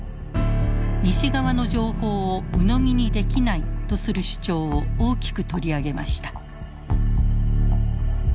西側の情報をうのみにできないとする主張を大きく取り上げました。